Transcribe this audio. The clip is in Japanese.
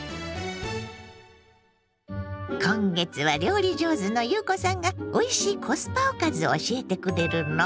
今月は料理上手の裕子さんがおいしいコスパおかずを教えてくれるの。